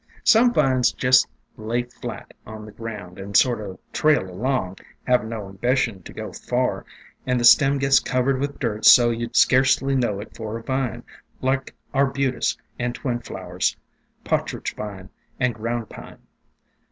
"Some vines jest lay flat on the ground, and sort o' trail along, havin' no ambition to go far, and the stem gets covered with dirt so you 'd scarcely know it for a vine, — like Arbutus and Twin Flowers, Pa' tridge Vine and Ground Pine.